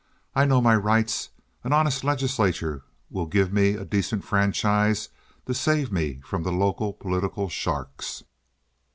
I know my rights. An honest legislature will give me a decent franchise to save me from the local political sharks."